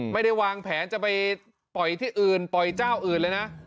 ไม่ได้วางแผนจะไปปล่อยที่อื่นปล่อยเจ้าอื่นเลยนะ